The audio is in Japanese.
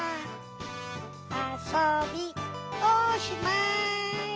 あそびおしまい。